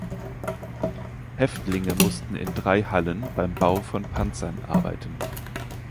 Häftlinge mussten in drei Hallen beim Bau von Panzern arbeiten.